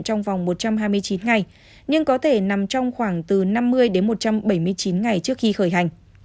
trong vòng một trăm hai mươi chín ngày nhưng có thể nằm trong khoảng từ năm mươi đến một trăm bảy mươi chín ngày trước khi khởi hành